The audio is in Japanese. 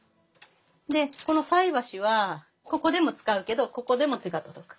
でこの菜箸はここでも使うけどここでも手が届く。